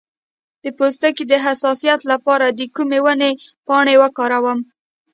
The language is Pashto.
د پوستکي د حساسیت لپاره د کومې ونې پاڼې وکاروم؟